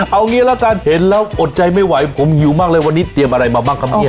เอางี้ละกันเห็นแล้วอดใจไม่ไหวผมหิวมากเลยวันนี้เตรียมอะไรมาบ้างครับเนี่ย